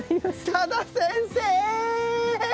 多田先生！